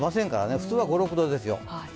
普通は５６度ですよ。